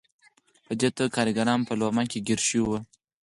په دې توګه کارګران په لومه کې ګیر شوي وو.